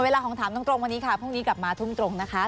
เวลาของถามตรงวันนี้ค่ะพรุ่งนี้กลับมาทุ่มตรงนะคะ